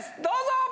どうぞ！